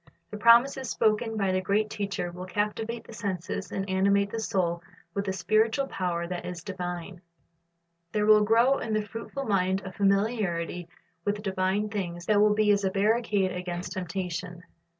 The promises spoken by the great Teacher will captivate the senses and animate the soul with a spiritual power that is divine. There will grow in the fruitful mind a familiarit}' with divine things that will be as a barricade against temptation.